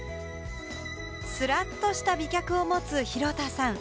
すらっとした美脚を持つ廣田さん。